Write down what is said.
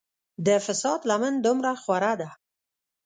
د فساد لمن دومره خوره ده.